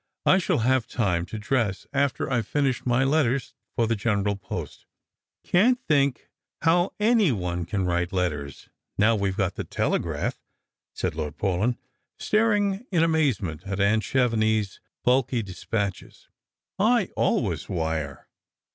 I shall have time to dress after I've finished my letters for the general post." " Can't think how any one can write letters, now we've got the telegraph," said Lord Paulyn, staring in amazement at aunt Chevenix's bulky despatches ;" I always wire."